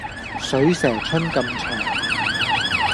水蛇春咁長